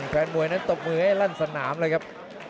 แฟนมวยนั้นตบมือให้ลั่นสนามเลยครับ